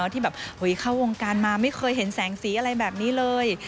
ที่แบบเข้าวงการมาไม่เคยเห็นแสงสีอะไรแบบนี้เลย